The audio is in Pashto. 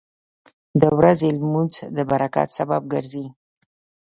• د ورځې لمونځ د برکت سبب ګرځي.